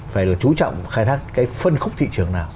phải là chú trọng khai thác cái phân khúc thị trường nào